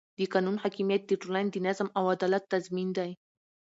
د قانون حاکمیت د ټولنې د نظم او عدالت تضمین دی